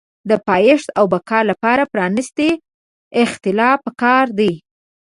د پایښت او بقا لپاره پرانیستی اختلاف پکار دی.